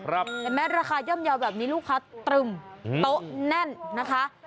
เห็นไหมราคาย่อมเยาว์แบบนี้ลูกค้าตรึมโต๊ะแน่นนะคะ